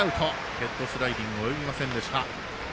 ヘッドスライディング及びませんでした。